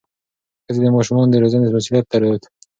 ښځې د ماشومانو د روزنې مسؤلیت درلود.